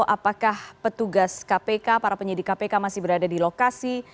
apakah petugas kpk para penyidik kpk masih berada di lokasi